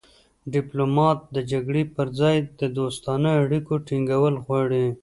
ډیپلومات د جګړې پر ځای د دوستانه اړیکو ټینګول غواړي